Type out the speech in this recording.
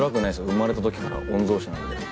生まれた時から御曹司なんで。